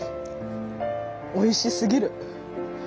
おいしすぎる。